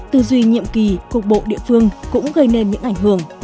từ duy nhiệm kỳ cuộc bộ địa phương cũng gây nên những ảnh hưởng